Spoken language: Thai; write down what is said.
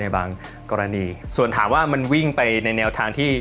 บางกรณีส่วนถามว่ามันวิ่งไปในแนวทางที่